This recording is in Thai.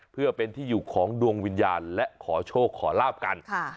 เพื่อเป็นที่อยู่ของดวงวิญญาณและขอโชคขอลาบกัน